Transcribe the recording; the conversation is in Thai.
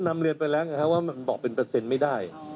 นำเรียนไปแล้วไงครับว่ามันบอกเป็นเปอร์เซ็นต์ไม่ได้